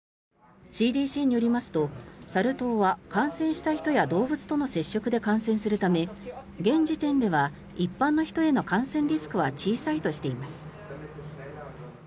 ＣＤＣによりますと、サル痘は感染した人や動物との接触で感染するため現時点では一般の人への感染リスクは小さいとしています。